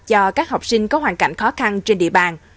cho các học sinh có hoàn cảnh khó khăn trên địa bàn